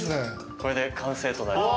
これで完成となります。